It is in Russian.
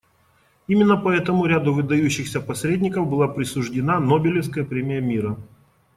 Именно поэтому ряду выдающихся посредников была присуждена Нобелевская премия мира.